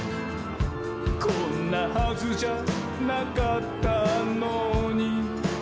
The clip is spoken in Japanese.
「こんなはずじゃなかったのに」